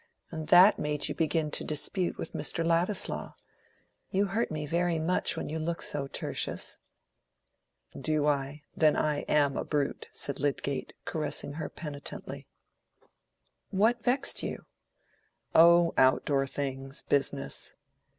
And that made you begin to dispute with Mr. Ladislaw. You hurt me very much when you look so, Tertius." "Do I? Then I am a brute," said Lydgate, caressing her penitently. "What vexed you?" "Oh, outdoor things—business."